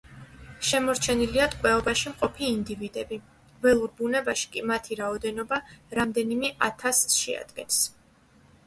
შემორჩენილია ტყვეობაში მყოფი ინდივიდები, ველურ ბუნებაში კი მათი რაოდენობა რამდენიმე ათასს შეადგენს.